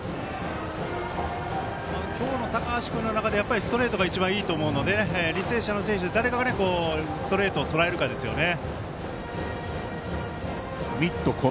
今日の高橋君の中でストレートが一番、いいと思うので履正社の選手誰がストレートをとらえるかですよね。